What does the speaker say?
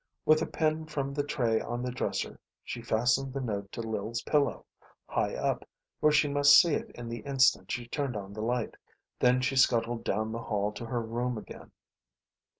With a pin from the tray on the dresser she fastened the note to Lil's pillow, high up, where she must see it the instant she turned on the light. Then she scuttled down the hall to her room again.